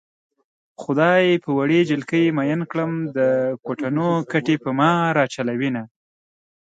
خدای په وړې جلکۍ مئين کړم د کوټنو ګټې په ما راچلوينه